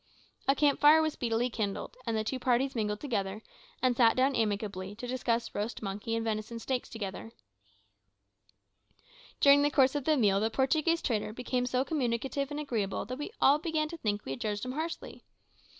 A camp fire was speedily kindled, and the two parties mingled together, and sat down amicably to discuss roast monkey and venison steaks together. During the course of the meal the Portuguese trader became so communicative and agreeable that we all began to think we had judged him harshly.